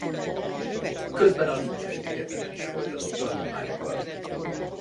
Közben a Lipcsei Egyetemen is folytatott tanulmányokat.